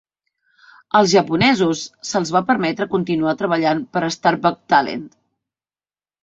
Els japonesos se'ls va permetre continuar treballant per a Starbuck-Talent.